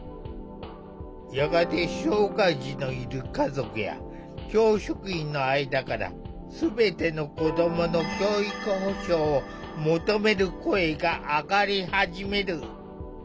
やがて障害児のいる家族や教職員の間からすべての子どもの教育保障を求める声が上がり始める。